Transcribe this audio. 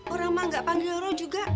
orang mak nggak panggil roh juga